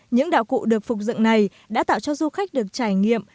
những đạo cụ được phục dựng này đã tạo cho du khách được trải nghiệm